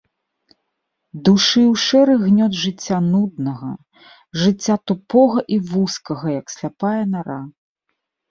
Душыў шэры гнёт жыцця нуднага, жыцця тупога і вузкага, як сляпая нара.